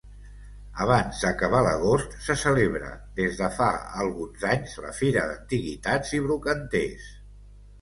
Abans d'acabar l'agost se celebra, des de fa alguns anys, la Fira d'Antiguitats i Brocanters.